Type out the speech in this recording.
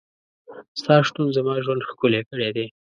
ستا شتون زما ژوند ښکلی کړی دی.